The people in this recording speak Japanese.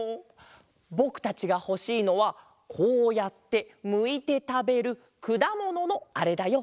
ぼくたちがほしいのはこうやってむいてたべるくだもののあれだよ。